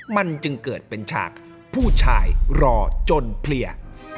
มันจึงเกิดเป็นฉากผู้ชายรอจนเพลีย